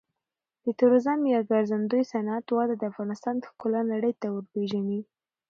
د توریزم یا ګرځندوی صنعت وده د افغانستان ښکلا نړۍ ته ورپیژني.